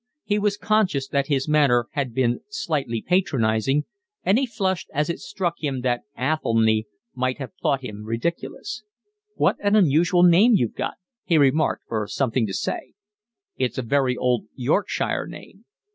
He was conscious that his manner had been slightly patronising, and he flushed as it struck him that Athelny might have thought him ridiculous. "What an unusual name you've got," he remarked, for something to say. "It's a very old Yorkshire name.